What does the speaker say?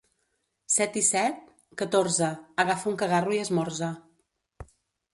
Set i set? —Catorze. —Agafa un cagarro i esmorza.